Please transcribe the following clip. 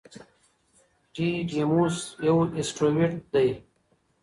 ډیډیموس یو اسټروېډ دی.